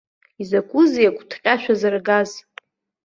Изакәызеи агәҭҟьа шәазыргаз?